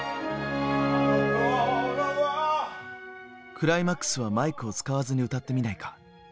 クライマックスはマイクを使わずに歌ってみないか？